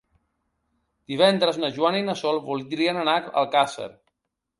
Divendres na Joana i na Sol voldrien anar a Alcàsser.